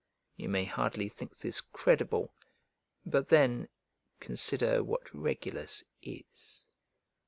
You may hardly think this credible; but then consider what Regulus is.